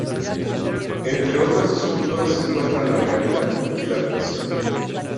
Entre otras esculturas se encuentran la Realidad y la Ficción.